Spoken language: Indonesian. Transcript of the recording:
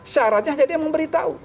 syaratnya hanya dia memberitahu